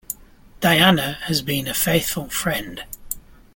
Diana has been a faithful friend.